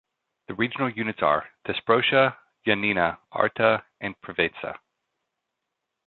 The regional units are: Thesprotia, Ioannina, Arta and Preveza.